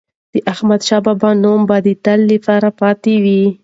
د احمدشاه بابا نوم به د تل لپاره پاتې وي.